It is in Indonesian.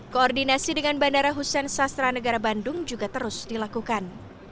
koordinasi dengan bandara hussein sastra negara bandung juga terus dilakukan